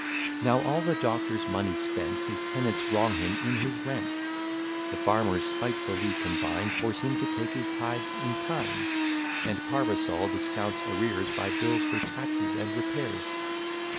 Now all the doctor's money's spent, His tenants wrong him in his rent, The farmers spitefully combine, Force him to take his tithes in kine, And Parvisol discounts arrears By bills, for taxes and repairs.